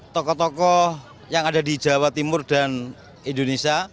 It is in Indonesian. tokoh tokoh yang ada di jawa timur dan indonesia